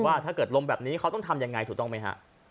ว่าถ้าเกิดลมแบบนี้เขาต้องทำยังไงถูกต้องไหมฮะ